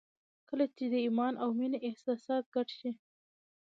کله چې د ایمان او مینې احساسات ګډ شي